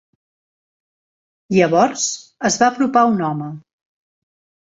Llavors es va apropar un home.